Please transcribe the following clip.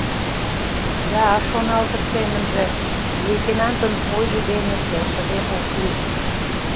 «Да, — шоналтыш семынже, — лейтенантын ойжо дене келшыде ок лий.